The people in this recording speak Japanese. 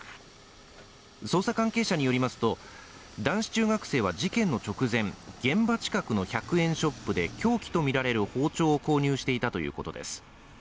捜査関係者によりますと男子中学生は事件の直前現場近くの１００円ショップで凶器とみられる包丁を購入していたということです。